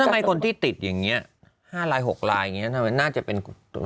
แล้วทำไมคนที่ติดอย่างนี้๕๖ลายน่าจะเป็น